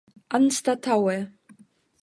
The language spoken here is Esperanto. anstataŭe